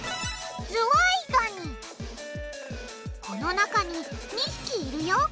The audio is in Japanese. この中に２匹いるよ。